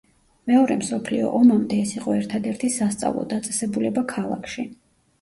მეორე მსოფლიო ომამდე ეს იყო ერთადერთი სასწავლო დაწესებულება ქალაქში.